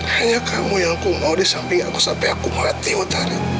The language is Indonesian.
hanya kamu yang aku mau disamping aku sampai aku mati otara